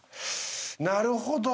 なるほど。